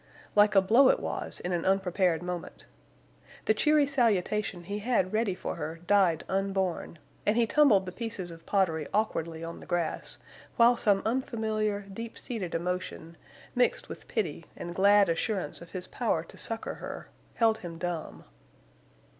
Like a blow it was in an unprepared moment. The cheery salutation he had ready for her died unborn and he tumbled the pieces of pottery awkwardly on the grass while some unfamiliar, deep seated emotion, mixed with pity and glad assurance of his power to succor her, held him dumb.